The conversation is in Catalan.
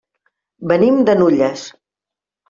Venim de Nulles.